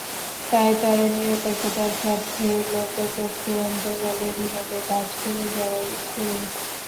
তাই তাঁর নিরপেক্ষতার স্বার্থে লোকচক্ষুর অন্তরালে, নীরবে কাজ করে যাওয়াই শ্রেয়।